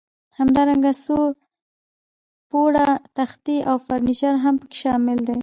همدارنګه څو پوړه تختې او فرنیچر هم پکې شامل دي.